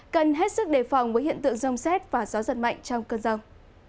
cần hết sức đề phòng với hiện tượng rông xét và gió giật mạnh trong cơn rông